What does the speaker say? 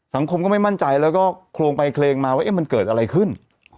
สังคมก็ไม่มั่นใจแล้วก็โครงไปเคลงมาว่ามันเกิดอะไรขึ้น